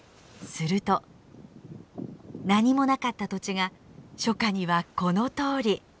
すると何もなかった土地が初夏にはこのとおり。